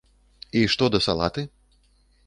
І што да салаты?